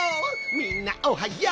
みんなおはよう！